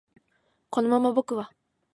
このまま僕は